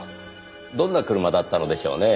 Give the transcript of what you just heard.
どんな車だったのでしょうねぇ？